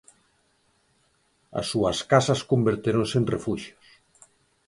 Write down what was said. As súas casas convertéronse en refuxios.